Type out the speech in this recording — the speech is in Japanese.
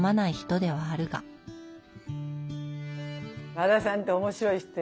和田さんって面白い人よ。